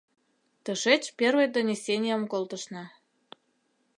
Тышеч первый донесенийым колтышна.